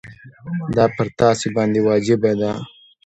دا پر تاسي باندي واجبه ده.